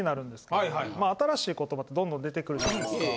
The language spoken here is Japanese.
新しい言葉ってどんどん出てくるじゃないですか。